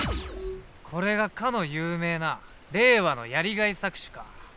これがかの有名な令和のやりがい搾取か。